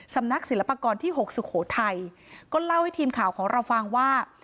สำนักศิลปากรที่๖สุโขทัยก็เล่าให้ทีมข่าวของเราฟังว่า